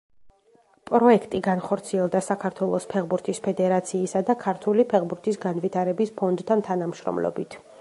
პროექტი განხორციელდა საქართველოს ფეხბურთის ფედერაციასა და ქართული ფეხბურთის განვითარების ფონდთან თანამშრომლობით.